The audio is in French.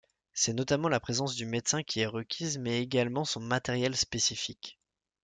C'est notamment la présence du médecin qui est requise mais également son matériel spécifique.